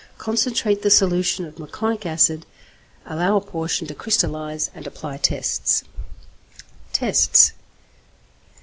Concentrate the solution of meconic acid, allow a portion to crystallize, and apply tests. _Tests.